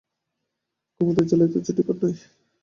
কুমুদের জ্বালায় তা জুটিবার নয়।